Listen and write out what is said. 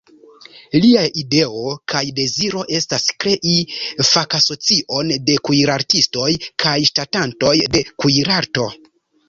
Liaj ideo kaj deziro estas krei fakasocion de kuirartistoj kaj ŝatantoj de kuirarto.